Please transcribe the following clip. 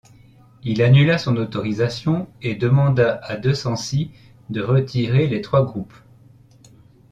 Il annula son autorisation et demanda à De Censi de retirer les trois groupes.